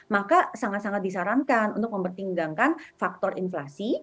maka sangat sangat disarankan untuk mempertimbangkan faktor inflasi